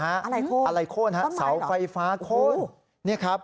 อะไรโค้นสาวไฟฟ้าโค้น